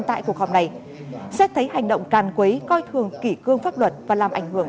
tại cuộc họp này xét thấy hành động càn quấy coi thường kỷ cương pháp luật và làm ảnh hưởng